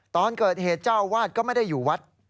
ตอนเกิดเหตุเจ้าอาวาสก็ไม่ได้อยู่วัด